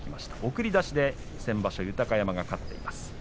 送り出しで先場所豊山が勝っています。